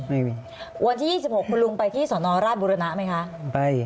วันที่๒๖คุณลุงไปที่สนราชบุรณะไหมคะ